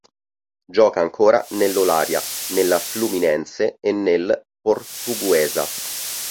Gioca ancora nell'Olaria, nella Fluminense e nel Portuguesa.